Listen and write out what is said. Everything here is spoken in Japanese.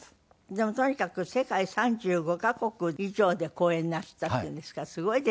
でもとにかく世界３５カ国以上で公演なすったっていうんですからすごいですよね。